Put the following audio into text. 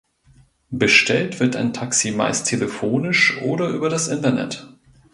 Bestellt wird ein Taxi meist telefonisch oder über das Internet.